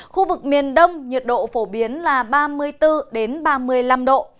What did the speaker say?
khu vực miền đông nhiệt độ phổ biến là ba mươi bốn ba mươi năm độ